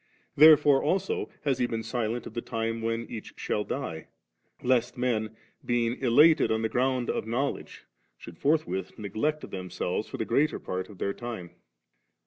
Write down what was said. Therefore also has He been silent of the time when each shall die, lest men, being elated on the ground of knowledge, should forthwith ne^ect themselves for the greater part of their time.